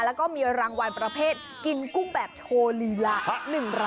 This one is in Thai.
แล้วก็มีรางวัลประเภทกินกุ้งแบบโชว์ลีลา